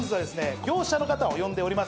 業者の方を呼んでおります。